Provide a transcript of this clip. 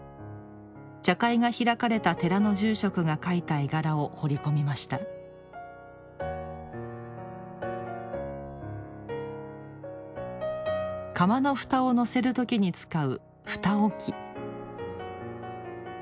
茶会が開かれた寺の住職が描いた絵柄を彫り込みました釜の蓋をのせる時に使う蓋置